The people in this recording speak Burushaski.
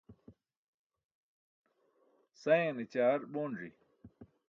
Sayane ćaar boonzi.